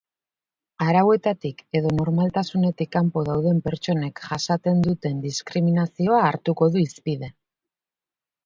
Arauetatik edo normaltasunetik kanpo dauden pertsonek jasaten duten diskriminazioa hartuko du hizpide.